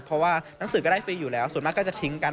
เพราะว่าหนังสือก็ได้ฟรีอยู่แล้วส่วนมากก็จะทิ้งกัน